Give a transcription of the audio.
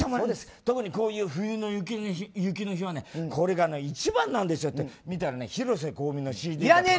特にこういう冬の雪の日はこれが一番なんですよって見たら広瀬香美のＣＤが。